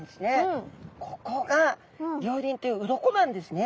ここが稜鱗という鱗なんですね。